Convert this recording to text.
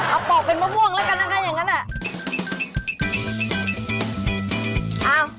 เอาปอกเป็นมะม่วงแล้วกันนะคะอย่างนั้นอ่ะ